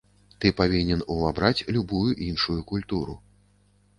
Ты павінен увабраць любую іншую культуру.